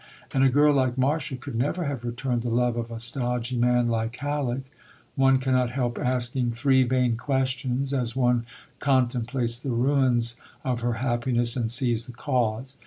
And a girl like Marcia could never have returned the love of a stodgy man like Halleck. One cannot help asking three vain questions as one contemplates the ruins of her happiness and sees the cause.